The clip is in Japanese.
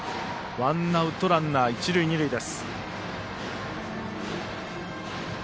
ワンアウトランナー、一塁二塁です。